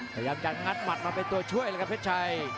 พยายามจะงัดหมัดมาเป็นตัวช่วยเลยครับเพชรชัย